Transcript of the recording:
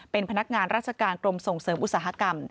เป็นพนักงานราชการกรมส่งเสริมอุตสาหกรรม